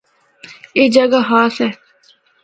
اے جگہ خاص ہے۔